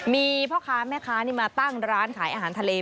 มีพ่อค้าแม่ค้านี่มาตั้งร้านขายอาหารทะเล